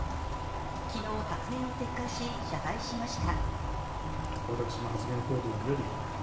昨日、発言を撤回し謝罪しました。